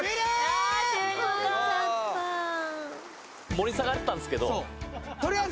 盛り下がったんですけど。